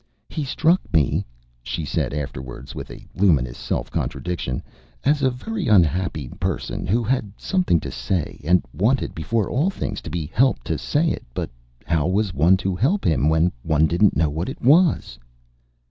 "He struck me," she said afterwards with a luminous self contradiction, "as a very unhappy person who had something to say, and wanted before all things to be helped to say it. But how was one to help him when one didn't know what it was?"